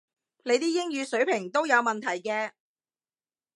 你啲英語水平都有問題嘅